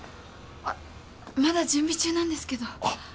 あっまだ準備中なんですけど。